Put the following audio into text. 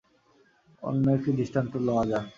অন্য একটি দৃষ্টান্ত লওয়া যাক।